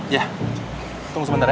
iya tunggu sebentar ya